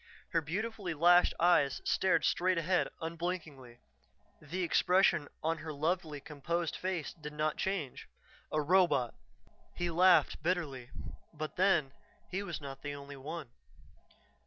Her beautifully lashed eyes stared straight ahead unblinkingly; the expression on her lovely composed face did not change. A robot! He laughed bitterly. But then, he was not the only one....